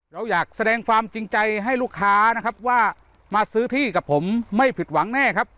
เราอยากแสดงความจริงใจให้ลูกค้านะครับว่ามาซื้อที่กับผมไม่ผิดหวังแน่ครับ